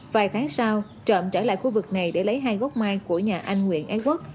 vài tháng sau trộm trở lại khu vực này để lấy hai gốc mai của nhà anh nguyễn ái quốc